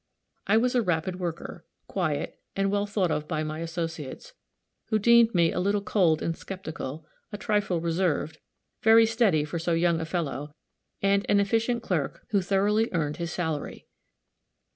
I was a rapid worker, quiet, and well thought of by my associates, who deemed me a little cold and skeptical, a trifle reserved, very steady for so young a fellow, and an efficient clerk who thoroughly earned his salary.